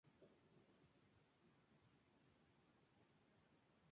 Al contrario de algunas otras spp.